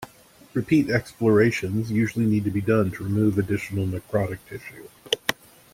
Repeat explorations usually need to be done to remove additional necrotic tissue.